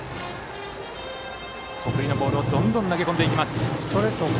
得意のボールをどんどん投げ込んでいきます。